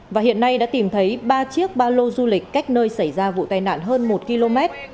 và hiện nay đã tìm thấy ba chiếc ba lô du lịch cách nơi xảy ra vụ tai nạn hơn một km